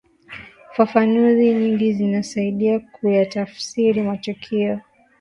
fafanuzi nyingi zinasaidia kuyatafsiri matukio